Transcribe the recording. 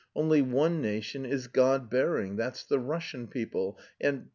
Only one nation is 'god bearing,' that's the Russian people, and... and...